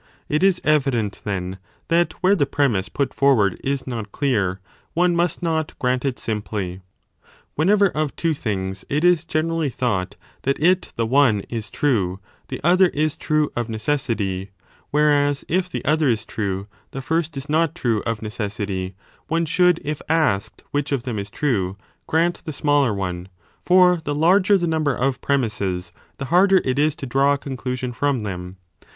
It is evident, then, that where the premiss put forward is not clear, one must not grant it simply. Whenever of two things it is generally thought that if the one is true the other is true of necessity, whereas, if the other is true, the first is not true of necessity, one should, 10 if asked which of them is true, 1 grant the smaller one : for the larger the number of premisses, the harder it is to draw a conclusion from them.